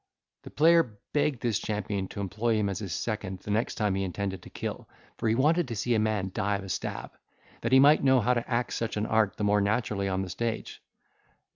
The player begged this champion to employ him as his second the next time he intended to kill, for he wanted to see a man die of a stab, that he might know how to act such an art the more naturally on the stage.